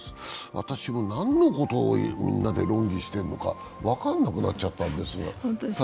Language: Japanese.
私も何のことをみんなで論議しているのか、分からなくなっちゃったんですが。